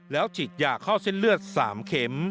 แล้วฉีดยาเข้าเส้นเลือด๓เข็ม